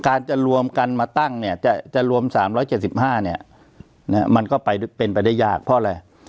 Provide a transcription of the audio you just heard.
การจะรวมกันมาตั้งเนี่ยจะรวม๓๗๕เนี่ยมันก็เป็นไปได้ยากเพราะอะไร